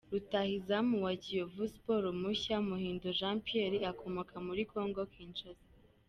Rutahizamu wa Kiyovu Sports mushya, Muhindo Jean Pierre akomoka muri Congo Kinshasa.